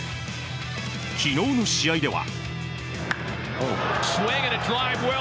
昨日の試合では。